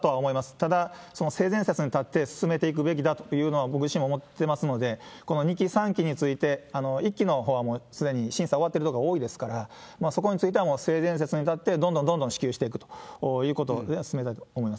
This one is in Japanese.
ただ、その性善説に立って進めていくべきだというのは僕自身も思ってますので、この２期、３期について、１期のほうはもうすでに審査終わってるところが多いですから、そこについてももう性善説に立って、どんどんどんどん支給していくということで、進めたいと思います。